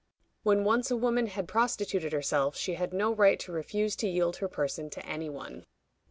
When once a woman had prostituted herself, she had no right to refuse to yield her person to any one.